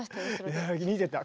見てた。